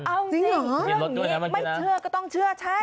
เอาจริงเหรอมีลดด้วยนะเมื่อกี้นะตรงนี้ไม่เชื่อก็ต้องเชื่อใช่